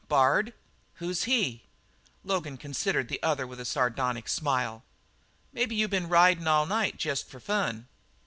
"Bard? Who's he?" Logan considered the other with a sardonic smile. "Maybe you been ridin' all night jest for fun?"